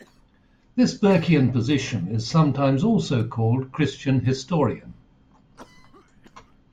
This Burkean position is sometimes also called Christian Historian.